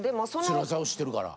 つらさを知ってるから。